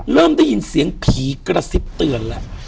เริ่มได้ยินเสียงผีกระซิบเตือนแล้ว